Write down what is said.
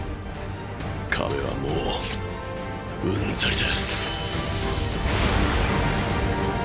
壁はもううんざりだ。